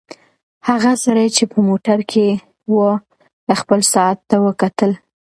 هغه سړی چې په موټر کې و خپل ساعت ته وکتل.